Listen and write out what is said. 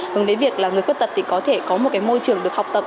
hướng đến việc người khuyết tật có thể có một môi trường được học tập